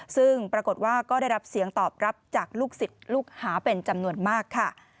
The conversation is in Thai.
ซึ่งปรากฏว่าก็ได้รับเสียงตอบรับจากลูกศิษย์ลูกหาเป็นจำนวนมากค่ะ